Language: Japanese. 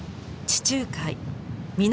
地中海南